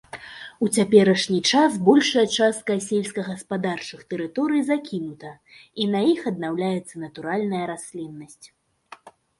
У цяперашні час большая частка сельскагаспадарчых тэрыторый закінута і на іх аднаўляецца натуральная расліннасць.